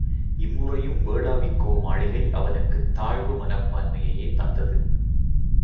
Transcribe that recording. இம்முறையும் வேளாவிக்கோ மாளிகை அவனுக்குத் தாழ்வு மனப்பான்மையையே தந்தது.